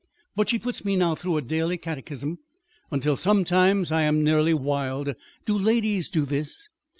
But she puts me now through a daily catechism until sometimes I am nearly wild. 'Do ladies do this?'